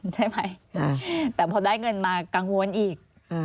ใช่ไหมแต่พอได้เงินมากังวลอีก